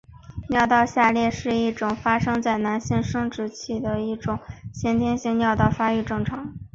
尿道下裂是一种发生在男性生殖器的一种先天性尿道发育异常。